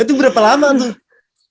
itu berapa lama tuh